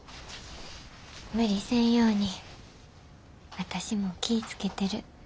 無理せんように私も気ぃ付けてる。